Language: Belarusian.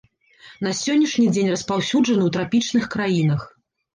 На сённяшні дзень распаўсюджаны ў трапічных краінах.